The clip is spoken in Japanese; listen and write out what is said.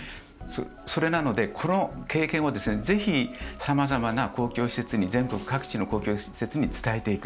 それなので、この経験をぜひ、さまざまな公共施設に全国各地の公共施設に伝えていく。